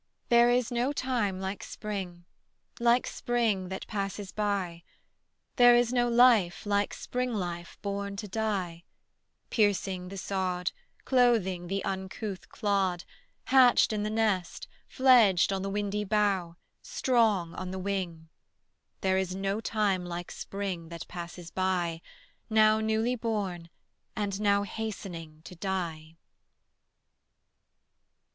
There is no time like Spring, Like Spring that passes by; There is no life like Spring life born to die, Piercing the sod, Clothing the uncouth clod, Hatched in the nest, Fledged on the windy bough, Strong on the wing: There is no time like Spring that passes by, Now newly born, and now Hastening to die.